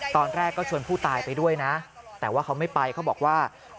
ตอนแรกก็ชวนผู้ตายไปด้วยนะแต่ว่าเขาไม่ไปเขาบอกว่า